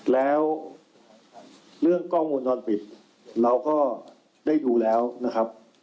แล้วเรื่องกล้องวงจรปิดเราก็ได้ดูแล้วนะครับ